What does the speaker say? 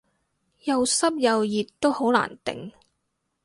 又濕又熱都好難頂